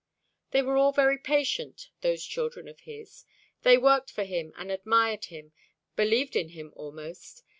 They were all very patient, those children of his. They worked for him and admired him, believed in him almost.